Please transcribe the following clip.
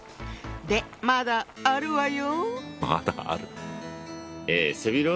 でまだあるわよ。